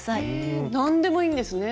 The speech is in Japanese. え何でもいいんですね。